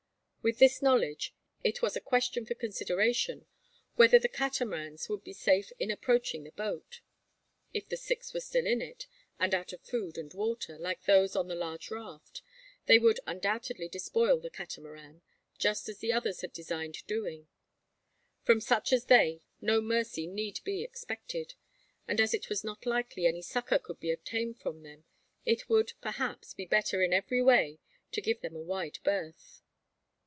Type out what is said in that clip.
With this knowledge, it was a question for consideration whether the Catamarans would be safe in approaching the boat. If the six were still in it, and out of food and water, like those on the large raft, they would undoubtedly despoil the Catamaran, just as the others had designed doing. From such as they no mercy need be expected; and as it was not likely any succour could be obtained from them, it would, perhaps, be better, in every way, to "give them a wide berth."